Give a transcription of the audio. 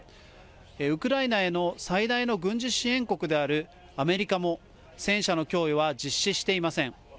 ウクライナへの最大の軍事支援国であるアメリカも、戦車の供与は実施していません。